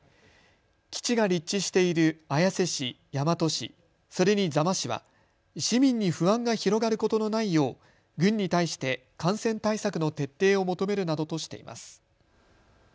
基地が立地している綾瀬市・大和市、それに座間市は市民に不安が広がることのないよう軍に対して感染対策の徹底を求めるなどとしています。